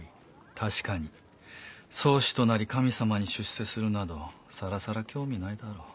確かに宗師となり神様に出世するなどさらさら興味ないだろう。